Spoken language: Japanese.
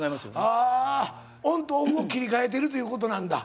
あオンとオフを切り替えてるということなんだ。